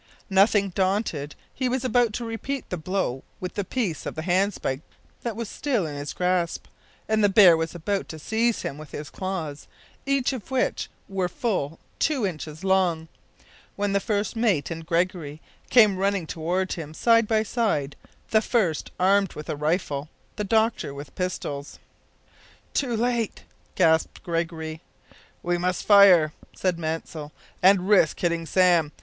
Nothing daunted, he was about to repeat the blow with the piece of the handspike that was still in his grasp, and the bear was about to seize him with its claws, each of which were full two inches long, when the first mate and Gregory came running toward him, side by side, the first armed with a rifle, the doctor with pistols. "Too late," gasped Gregory. "We must fire," said Mansell, "and risk hitting Sam.